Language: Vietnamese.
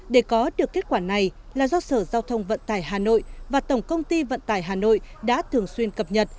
để có được kết quả này là do sở giao thông vận tải hà nội và tổng công ty vận tải hà nội đã thường xuyên cập nhật